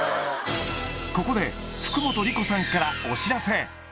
ここで、福本莉子さんからお知らせ！